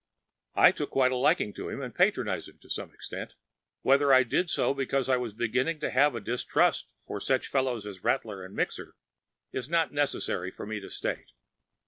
‚ÄĚ I took quite a liking to him and patronized him to some extent. Whether I did so because I was beginning to have a distrust for such fellows as Rattler and Mixer is not necessary for me to state.